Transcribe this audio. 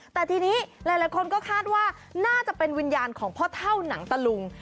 แต่ทีนี้หลายคนก็คาดว่าน่าจะเป็นวิญญาณของพ่อเท่าหนังตะลุง